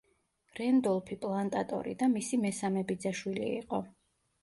რენდოლფი პლანტატორი და მისი მესამე ბიძაშვილი იყო.